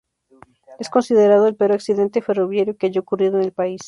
Es considerado el peor accidente ferroviario que haya ocurrido en el país.